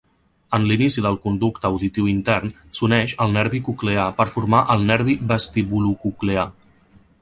En l'inici del conducte auditiu intern, s'uneix al nervi coclear per formar el nervi vestibulococlear.